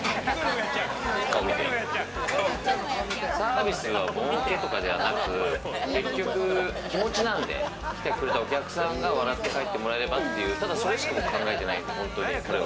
顔見てサービスは儲けとかではなく、結局気持ちなんで、来てくれたお客さんが笑って帰ってもらえればという、それしか考えてない、本当に。